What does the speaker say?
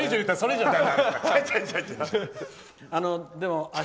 でも、